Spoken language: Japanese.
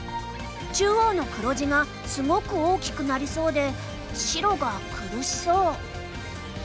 中央の黒地がすごく大きくなりそうで白が苦しそう。